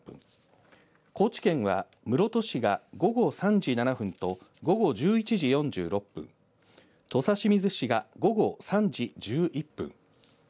高知県は室戸市が午後３時７分と午後１１時４６分、土佐清水市が午後３時１１分。